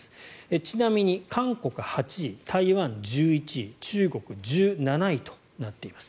ちなみに韓国、８位台湾、１１位中国、１７位となっています。